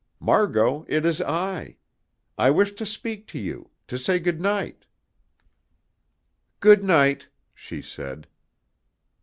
"Margot, it is I. I wish to speak to you to say good night." "Good night," she said.